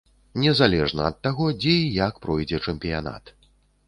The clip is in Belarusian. Незалежна ад таго, дзе і як пройдзе чэмпіянат.